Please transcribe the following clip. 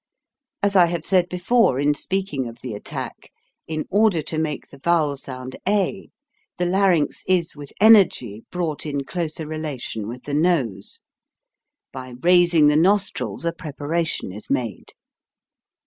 As I have said before in speak ing of the attack, in order to make the vowel sound a, the larynx is with energy brought in closer relation with the nose. By raising the nostrils a preparation is made.